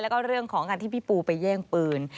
แล้วก็เรื่องของการที่พี่ปูไปแย่งปืน